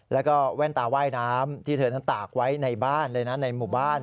แล้วก็แว่นตาว่ายน้ำที่เธอนั้นตากไว้ในบ้านเลยนะในหมู่บ้าน